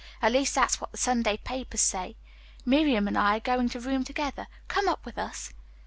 At least that's what the Sunday papers say. Miriam and I are going to room together. Come up with us."